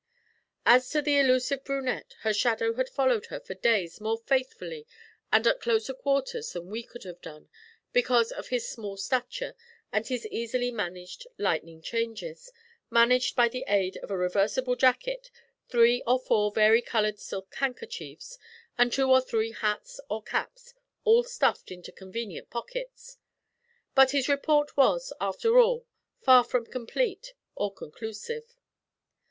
As to the elusive brunette, her 'shadow' had followed her for days more faithfully and at closer quarters than we could have done, because of his small stature and his easily managed 'lightning changes,' managed by the aid of a reversible jacket, three or four varicoloured silk handkerchiefs, and two or three hats or caps, all stuffed into convenient pockets. But his report was, after all, far from complete or conclusive.